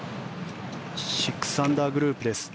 ６アンダーグループです。